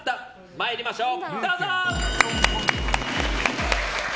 参りましょう！